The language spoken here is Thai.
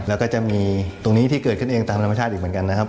แล้วก็จะมีตรงนี้ที่เกิดขึ้นเองตามธรรมชาติอีกเหมือนกันนะครับ